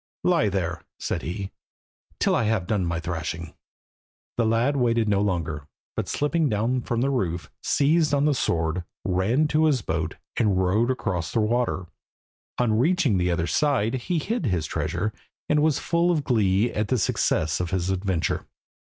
"Lie there," said he, "till I have done my thrashing." The lad waited no longer, but slipping down from the roof seized on the sword, ran to his boat, and rowed across the water. On reaching the other side he hid his treasure, and was full of glee at the success of his adventure.